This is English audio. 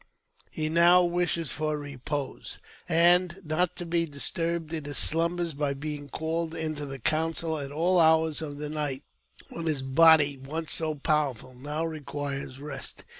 He now wishes for repose, and not to be dis turbed in his slumbers by being called into the council at all hours of the night, when his body, once so powerful, now requires rest.